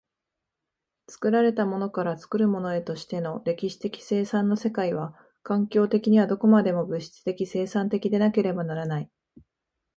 作られたものから作るものへとしての歴史的生産の世界は、環境的にはどこまでも物質的生産的でなければならない。